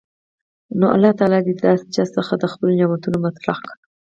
نو الله تعالی د داسي چا څخه د خپلو نعمتونو متعلق